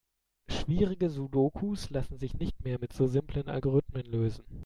Schwierige Sudokus lassen sich nicht mehr mit so simplen Algorithmen lösen.